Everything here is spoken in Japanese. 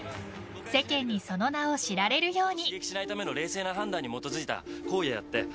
世間にその名を知られるように。